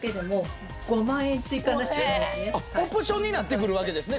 オプションになってくるわけですね。